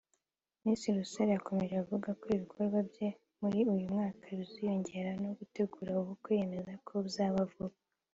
Miss Rusaro yakomeje avuga ko ibikorwa bye muri uyu mwaka biziyongeraho no gutegura ubukwe yemeza ko buzaba vuba